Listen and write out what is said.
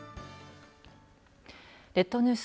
列島ニュース